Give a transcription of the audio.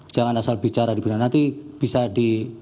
jangan asal bicara di bidang nanti bisa di